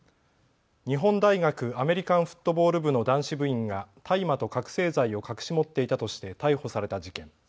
日本大学アメリカンフットボール部の男子部員が大麻と覚醒剤を隠し持っていたとして逮捕された事件。